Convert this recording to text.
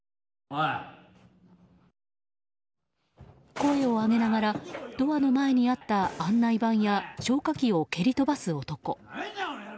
声を上げながらドアの前にあった案内板や消火器を蹴り飛ばす男。